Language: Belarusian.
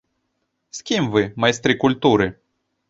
З кім вы, майстры культуры?